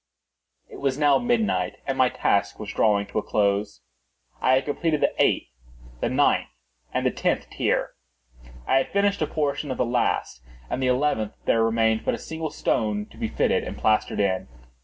It was now midnight, and my task was drawing to a close. I had completed the eighth, the ninth, and the tenth tier. I had finished a portion of the last and the eleventh; there remained but a single stone to be fitted and plastered in.